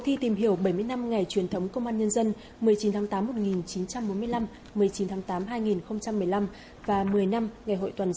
một mươi chín tháng tám hai nghìn một mươi năm